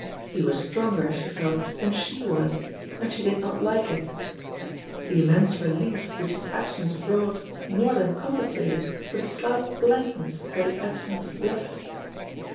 He was stronger, she felt, than she was, and she did not like it. The immense relief which his absence brought more than compensated for the slight blankness that his absence left.